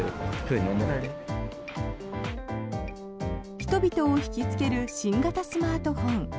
人々を引きつける新型スマートフォン